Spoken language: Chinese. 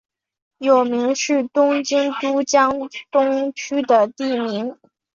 有明是东京都江东区的地名。